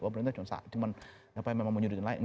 pemerintah cuma ngapain mau menunjukin yang lain